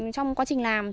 trong quá trình làm